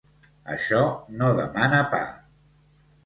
Això no demana pa.